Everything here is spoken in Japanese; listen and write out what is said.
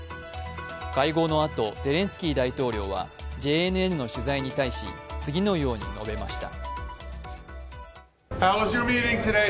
会合のあとゼレンスキー大統領はＪＮＮの取材に対し次のように述べました。